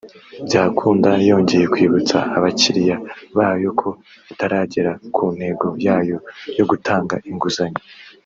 Byakunda yongeye kwibutsa abakiriya bayo ko itaragera ku ntego yayo yo gutanga inguzanyo